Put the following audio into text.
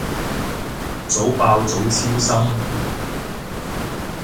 早爆早超生